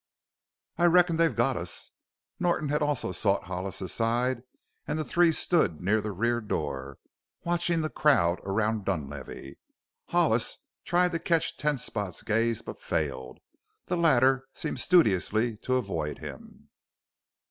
"I reckon they've got us." Norton had also sought Hollis's side and the three stood near the rear door, watching the crowd around Dunlavey. Hollis tried to catch Ten Spot's gaze but failed the latter seemed studiously to avoid him.